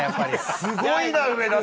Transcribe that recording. すごいな、上田さん。